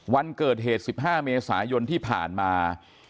วันเกิดเหตุ๑๕เมษายนที่ผ่านมา